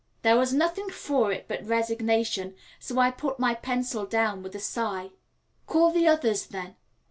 There was nothing for it but resignation, so I put down my pencil with a sigh. "Call the others, then."